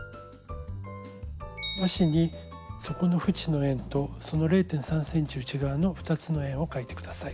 和紙に底のふちの円とその０．３ｃｍ内側の２つの円を描いて下さい。